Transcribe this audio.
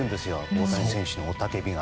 大谷選手の雄たけびが。